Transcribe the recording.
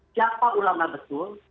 siapa ulama betul